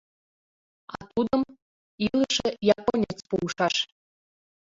А тудым «илыше японец пуышаш».